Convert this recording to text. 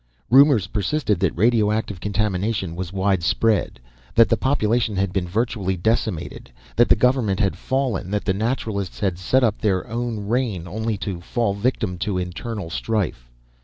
Rumors persisted that radioactive contamination was widespread, that the population had been virtually decimated, that the government had fallen, that the Naturalists had set up their own reign only to fall victim to internal strife.